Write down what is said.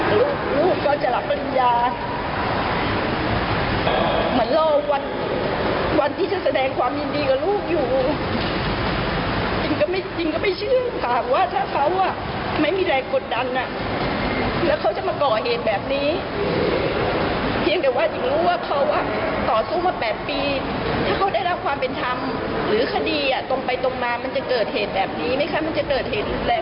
ลูกลูกก็จะรับปริญญาเหมือนรอวันที่จะแสดงความยินดีกับลูกอยู่จริงก็ไม่จริงก็ไม่เชื่อค่ะว่าถ้าเขาอ่ะไม่มีแรงกดดันอ่ะแล้วเขาจะมาก่อเหตุแบบนี้เพียงแต่ว่าจริงรู้ว่าเขาอ่ะต่อสู้มา๘ปีถ้าเขาได้รับความเป็นธรรมหรือคดีอ่ะตรงไปตรงมามันจะเกิดเหตุแบบนี้ไหมคะมันจะเกิดเหตุรุนแรง